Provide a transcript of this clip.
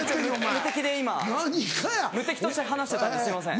無敵で今無敵として話してたんですいません。